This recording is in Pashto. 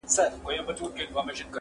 اوس یې مخ ته سمندر دی غوړېدلی -